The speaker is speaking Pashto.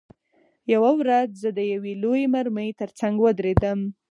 یوه ورځ زه د یوې لویې مرمۍ ترڅنګ ودرېدم